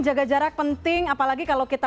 jaga jarak penting apalagi kalau kita